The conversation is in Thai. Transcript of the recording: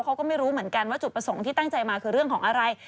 เขาก็ไม่รู้เหมือนกันว่าจุดประสงค์ที่ตั้งใจมาคือเรื่องของอะไร